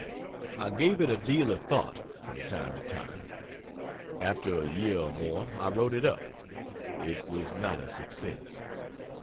I gave it a deal of thought, from time to time. After a year or more I wrote it up. It was not a success.